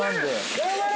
頑張れ。